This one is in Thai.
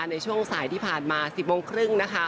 ในช่วงสายที่ผ่านมา๑๐โมงครึ่งนะคะ